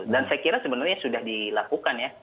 dan saya kira sebenarnya sudah dilakukan ya